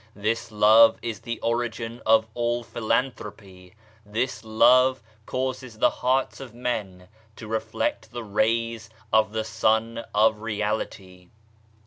This love is the origin of all philanthropy ; this love causes the hearts of men to reflect the rays of the Sun of Reality.